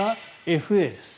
ＦＡです。